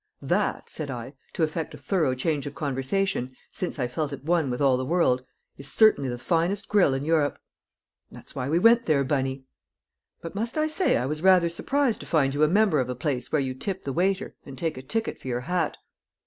"That," said I, to effect a thorough change of conversation, since I felt at one with all the world, "is certainly the finest grill in Europe." "That's why we went there, Bunny." "But must I say I was rather surprised to find you a member of a place where you tip the waiter and take a ticket for your hat!"